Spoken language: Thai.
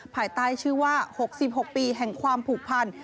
ภายใต้ชื่อว่า๖๖ปีแห่งความผูกพัน